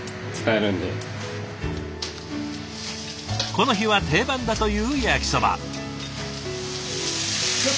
この日は定番だというやきそば。